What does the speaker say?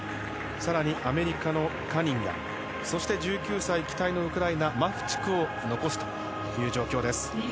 更にアメリカのカニンガムそして１９歳、期待のウクライナ、マフチフを残すという状況です。